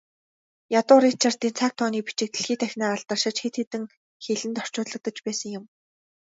Ядуу Ричардын цаг тооны бичиг дэлхий дахинаа алдаршиж, хэд хэдэн хэлэнд орчуулагдаж байсан юм.